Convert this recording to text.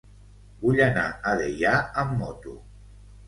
Vull anar a Deià amb moto.